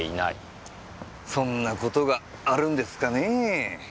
そんな事があるんですかねぇ。